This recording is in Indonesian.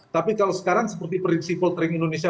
tapi kalau sekarang seperti prinsipol tering indonesia